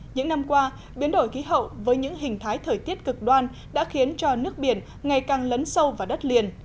những năm qua biến đổi khí hậu với những hình thái thời tiết cực đoan đã khiến cho nước biển ngày càng lấn sâu vào đất liền